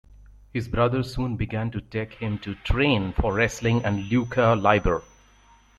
His brother soon began to take him to train for wrestling and lucha libre.